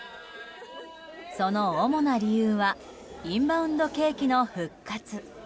その主な理由はインバウンド景気の復活。